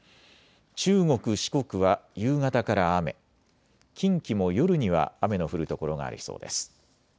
中国、四国は夕方から雨、近畿も夜には雨の降る所がありそうです。